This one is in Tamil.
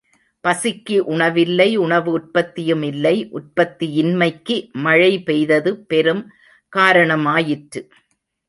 பசிக்கு உணவில்லை உணவு உற்பத்தியும் இல்லை உற்பத்தியின்மைக்கு மழை பொய்த்தது பெரும் காரணமாயிற்று!